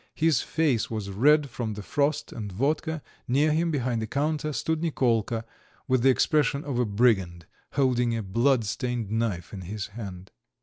His face was red from the frost and vodka; near him, behind the counter, stood Nikolka, with the expression of a brigand, holding a bloodstained knife in his hand.